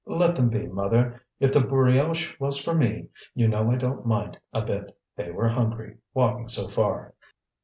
"Let them be, mother. If the brioche was for me, you know I don't mind a bit. They were hungry, walking so far."